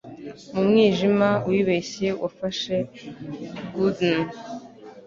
Mumwijima wibeshye wafashe good'un.